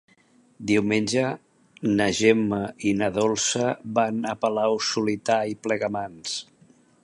Diumenge na Gemma i na Dolça van a Palau-solità i Plegamans.